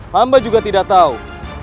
hamba juga tidak tahu